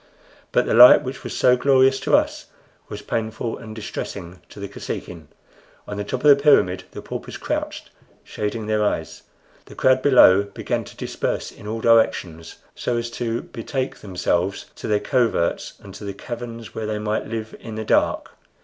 But the light which was so glorious to us was painful and distressing to the Kosekin. On the top of the pyramid the paupers crouched, shading their eyes. The crowd below began to disperse in all directions, so as to betake themselves to their coverts and to the caverns, where they might live in the dark.